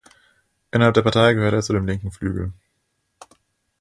Innerhalb der Partei gehörte er zu dem linken Flügel.